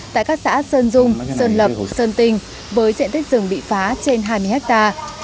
tại các xã sơn dung sơn lập sơn tinh với diện tích rừng bị phá trên hai mươi hectare